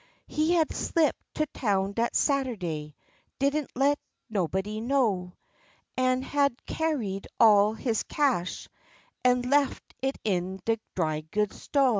He had slipped to town dat Sat'day, didn't let nobody know, An' had car'yd all his cash an' lef it in de dry goods sto'.